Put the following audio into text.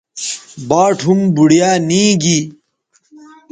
باٹ ھُم بوڑیا نی گی